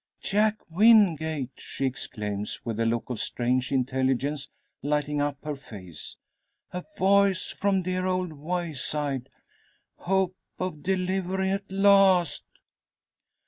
"Jack Wingate!" she exclaims, with a look of strange intelligence lighting up her face. "A voice from dear old Wyeside! Hope of delivery at last!"